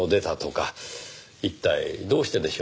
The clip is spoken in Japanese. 一体どうしてでしょう？